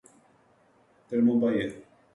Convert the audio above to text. Termobahia